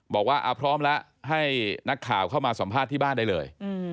บอกว่าพร้อมแล้วให้นักข่าวเข้ามาสัมภาษณ์ที่บ้านได้เลย